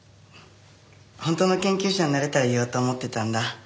本当の研究者になれたら言おうと思ってたんだ。